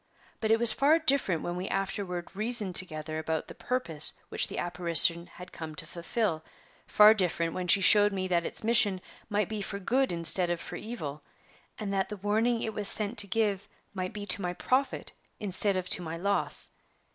But it was far different when we afterward reasoned together about the purpose which the apparition had come to fulfill far different when she showed me that its mission might be for good instead of for evil, and that the warning it was sent to give might be to my profit instead of to my loss.